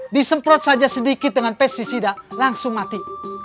disemprot saja sedikit dengan pesticida langsung mati